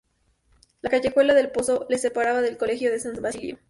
La callejuela del Pozo le separaba del Colegio de San Basilio.